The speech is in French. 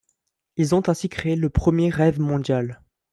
Ils ont ainsi créé le premier rêve mondial.